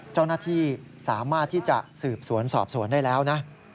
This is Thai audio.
เจ้าหน้าที่สามารถที่จะสืบสวนสอบสวนได้แล้วนะ